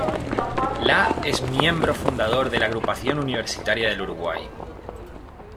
La es miembro fundador de la Agrupación Universitaria del Uruguay.